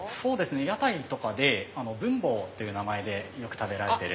屋台とかでブンボーという名前でよく食べられてる。